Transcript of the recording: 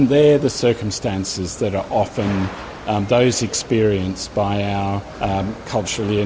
dan itu adalah keadaan yang sering diperlukan